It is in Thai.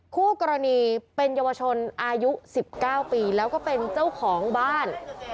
คู่กรณีเป็นเยาวชนอายุ๑๙ปีแล้วก็เป็นเจ้าของบ้าน